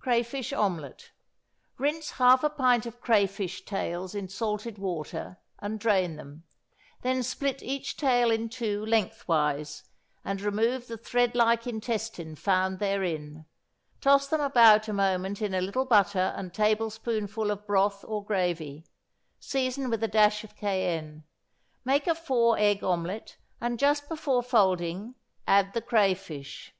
=Crayfish Omelet.= Rinse half a pint of crayfish tails in salted water, and drain them; then split each tail in two lengthwise, and remove the thread like intestine found therein. Toss them about a moment in a little butter and tablespoonful of broth or gravy; season with a dash of cayenne. Make a four egg omelet, and just before folding add the crayfish.